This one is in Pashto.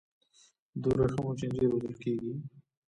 د ورېښمو چینجي روزل کیږي؟